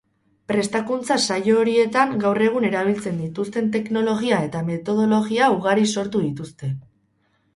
Prestakuntza saio horietan gaur egun erabiltzen dituzten teknologia eta metodologia ugari sortu dituzte.